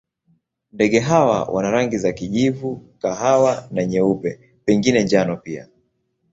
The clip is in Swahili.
Ndege hawa wana rangi za kijivu, kahawa na nyeupe, pengine njano pia.